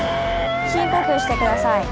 深呼吸して下さい。